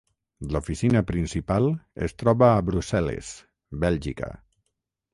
L'oficina principal es troba a Brussel·les, Bèlgica.